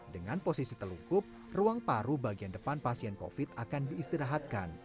dengan posisi telungkup ruang paru bagian depan pasien covid akan diistirahatkan